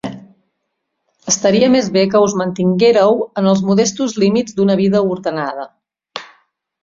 Estaria més bé que us mantinguéreu en els modestos límits d’una vida ordenada.